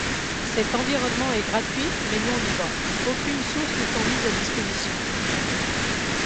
Cet environnement est gratuit mais non libre, aucune source n'étant mise à disposition.